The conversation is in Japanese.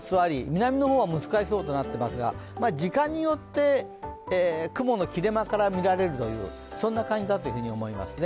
南の方は難しそうとなっていますが、時間によって雲の切れ間から見られるという、そんな感じだというふうに思いますね。